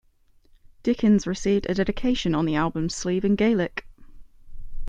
Dickins received a dedication on the album's sleeve in Gaelic.